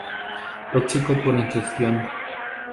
Tóxico por ingestión.